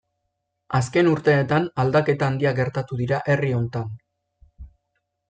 Azken urteetan aldaketa handiak gertatu dira herri hontan.